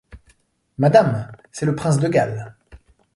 Madame, c'est le prince de Galles.